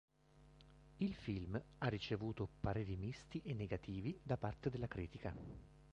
Il film ha ricevuto pareri misti e negativi da parte della critica.